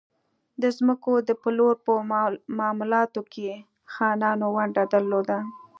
د ځمکو د پلور په معاملاتو کې خانانو ونډه درلوده.